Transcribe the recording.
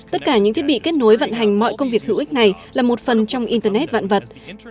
tất cả những thiết bị kết nối vận hành mọi công việc hữu ích này là một phần trong internet vạn vật